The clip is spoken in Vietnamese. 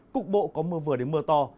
cục bộ có mưa vừa đến mưa to